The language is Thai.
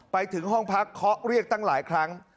ไปถึงห้องพักเคาะเรียกตั้งหลายครั้ง